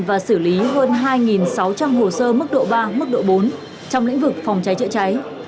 và xử lý hơn hai sáu trăm linh hồ sơ mức độ ba mức độ bốn trong lĩnh vực phòng cháy chữa cháy